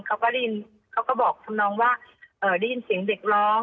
เขาก็ได้ยินเขาก็บอกทำนองว่าได้ยินเสียงเด็กร้อง